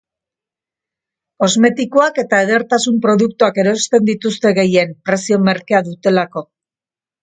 Kosmetikoak eta edertasun-produktuak erosten dituzte gehien, prezio merkea dutelako.